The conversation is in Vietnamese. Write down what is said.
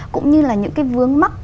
cũng như là những cái vướng mắc